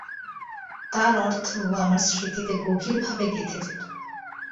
তার অর্থ আমার স্মৃতিতে গভীরভাবে গেঁথে যেত।